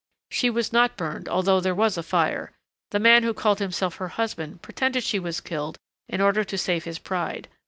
"She was not burned although there was a fire. The man who called himself her husband pretended she was killed in order to save his pride.